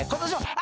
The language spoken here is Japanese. あ！